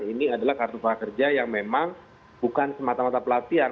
ini adalah kartu prakerja yang memang bukan semata mata pelatihan